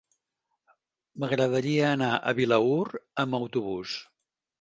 M'agradaria anar a Vilaür amb autobús.